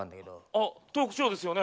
あトークショーですよね？